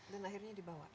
dan akhirnya dibawa